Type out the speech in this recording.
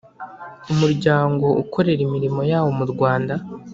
Umuryango ukorera imirimo yawo mu Rwanda